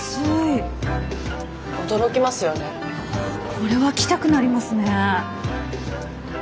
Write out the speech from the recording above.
これは来たくなりますね。